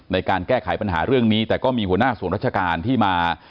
ในการแก้ไขปัญหาเรื่องนี้แต่ก็มีหัวหน้าส่วนราชการที่มา